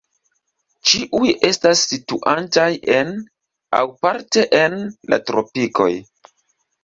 Ĉiuj estas situantaj en, aŭ parte en, la tropikoj.